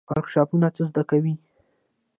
ورکشاپونه څه زده کوي؟